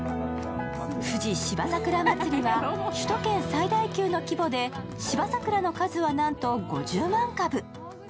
富士芝桜まつりは、首都圏最大級の規模で、芝桜の数はなんと５０万株。